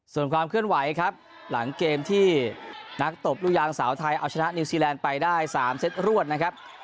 ส่วนความเคลื่อนไหวครับหลังเกมที่นักตบลูกยางสาวไทยเอาชนะนิวซีแลนด์ไปได้๓เซตรวดนะครับ